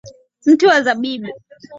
Mti wa zabibu.